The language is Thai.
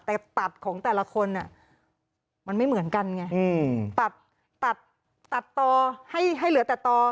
แต่ตัดของแต่ละคนมันไม่เหมือนกันไงตัดตัดต่อให้เหลือแต่ต่อ